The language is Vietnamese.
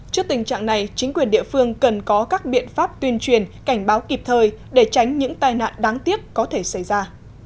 trước tình trạng này chính quyền địa phương cần có các biện pháp tuyên truyền cảnh báo kịp thời để tránh những tai nạn đáng tiếc có thể xảy ra